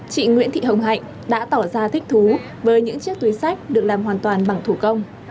chị nguyễn thị hồng hạnh đã tỏ ra thích thú với những chiếc túi sách được làm hoàn toàn bằng thủ công